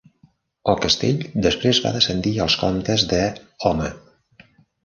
El castell després va descendir als comtes de Home.